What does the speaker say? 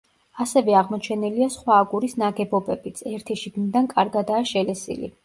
ასევე აღმოჩენილია სხვა აგურის ნაგებობებიც, ერთი შიგნიდან კარგადაა შელესილი.